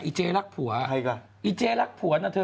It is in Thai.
อีเจ๊รักผัวนะเธอ